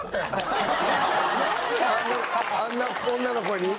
あんな女の子に？